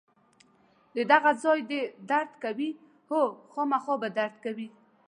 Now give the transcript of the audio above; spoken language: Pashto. دغه ځای دې درد کوي؟ هو، خامخا به درد کوي.